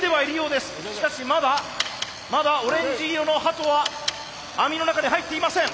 しかしまだまだオレンジ色の鳩は網の中に入っていません。